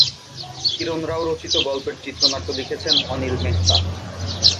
কিরণ রাও রচিত গল্পের চিত্রনাট্য লিখেছেন অনিল মেহতা।